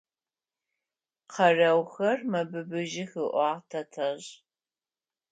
Къэрэухэр мэбыбыжьых, – ыӏуагъ тэтэжъ.